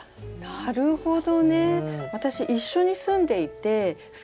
なるほど。